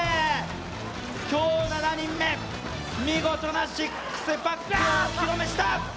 今日７人目、見事なシックスパックをお披露目した。